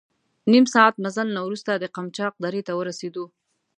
نیم ساعت مزل نه وروسته د قمچاق درې ته ورسېدو.